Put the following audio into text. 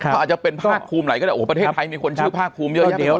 เขาอาจจะเป็นภาคภูมิอะไรก็ได้ประเทศไทยมีคนชื่อภาคภูมิเยอะ